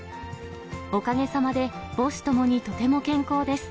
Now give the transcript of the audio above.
おかげさまで母子ともにとても健康です。